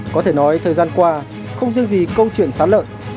có thể nói thời gian qua không riêng gì câu chuyện sán lợn